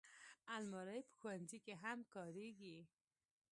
الماري په ښوونځي کې هم کارېږي